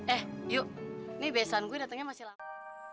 eh yuk ini besan gue datangnya masih lama